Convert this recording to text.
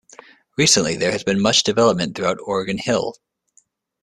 Recently, there has been much development throughout Oregon Hill.